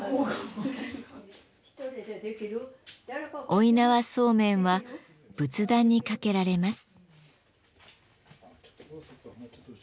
負い縄そうめんは仏壇に掛けられます。